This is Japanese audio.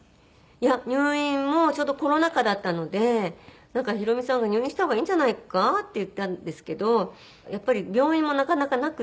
いや入院もちょうどコロナ禍だったのでヒロミさんが「入院した方がいいんじゃないか」って言ったんですけどやっぱり病院もなかなかなくて。